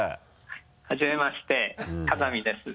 はじめまして風見です